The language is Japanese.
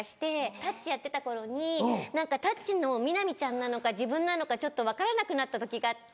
『タッチ』やってた頃に何か『タッチ』の南ちゃんなのか自分なのかちょっと分からなくなった時があって。